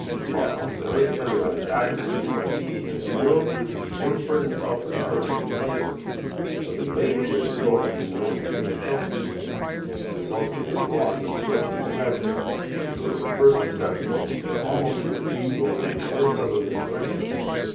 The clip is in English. Now, the earth turning on its axis from west to east, whirls the northward and southward currents to the westward, so that they appear to blow from the northeast and southeast. The result of this loss of direction is gradual; so that when first perceptible, they are almost from a due northerly or southerly direction.